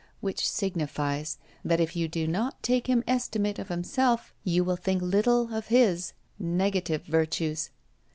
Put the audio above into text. Which signifies, that if you do not take his estimate of himself, you will think little of his: negative virtues.